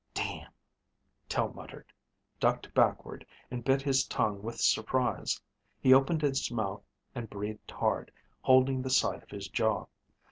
"Damn," Tel muttered, ducked backward, and bit his tongue with surprise. He opened his mouth and breathed hard, holding the side of his jaw.